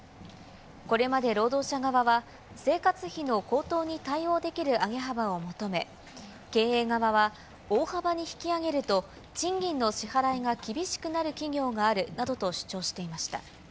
これまで労働者側は、生活費の高騰に対応できる上げ幅を求め、経営側は、大幅に引き上げると、賃金の支払いが厳しくなる企業があるなどと主張していました。